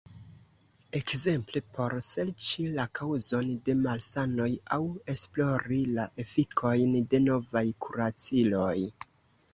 Ekzemple por serĉi la kaŭzon de malsanoj aŭ esplori la efikojn de novaj kuraciloj.